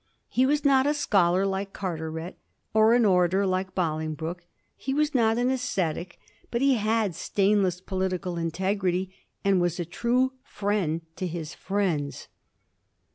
He was not a scholar like Carteret, or an orator like Bolingbroke ; he was not an ascetic ; but he had stainless political integrity, and was a true friend to his friends.